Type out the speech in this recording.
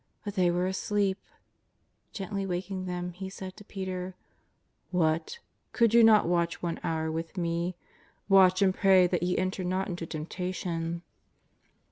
But they were asleep! Gently waking them. He said to Peter :^•' What ! Could you not watch one hour with Me ? Watch and pray that ye enter not into temptation."